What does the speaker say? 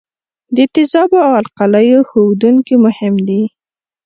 د تیزابو او القلیو ښودونکي مهم دي.